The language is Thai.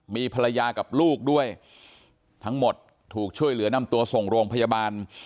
มีภรรยากับลูกด้วยทั้งหมดถูกช่วยเหลือนำตัวส่งโรงพยาบาล